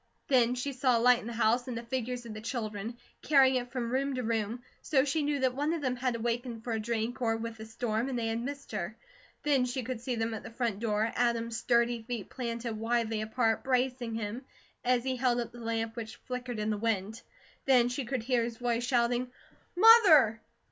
Then she saw a light in the house, and the figures of the children, carrying it from room to room, so she knew that one of them had awakened for a drink, or with the storm, and they had missed her. Then she could see them at the front door, Adam's sturdy feet planted widely apart, bracing him, as he held up the lamp which flickered in the wind. Then she could hear his voice shouting: "Mother!"